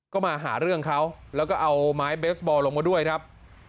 ก็มาหาเรื่องเขาแล้วก็เอาไม้เบสบอลลงมาด้วยครับ